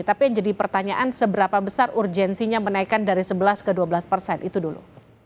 tapi yang jadi pertanyaan seberapa besar urgensinya menaikkan dari sebelas ke dua belas persen itu dulu